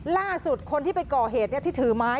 ล่าสุดคนที่ไปก่อเหตุที่ถือไม้